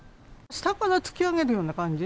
下から突き上げるような感じ。